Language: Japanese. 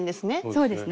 そうですね